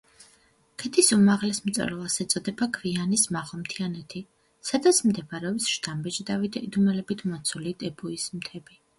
ქედის უმაღლეს მწვერვალს ეწოდება გვიანის მაღალმთიანეთი, სადაც მდებარეობს შთამბეჭდავი და იდუმალებით მოცული ტეპუის მთები.